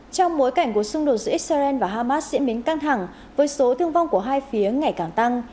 trong bối cảnh cuộc xung đột giữa israel và hamas diễn biến căng thẳng với số thương vong của hai phía ngày càng tăng